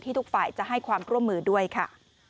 ทุกฝ่ายจะให้ความร่วมมือด้วยค่ะ